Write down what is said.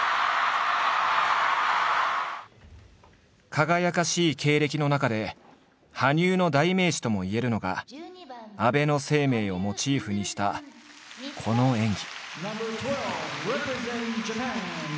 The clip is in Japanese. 輝かしい経歴の中で羽生の代名詞ともいえるのが安倍晴明をモチーフにしたこの演技。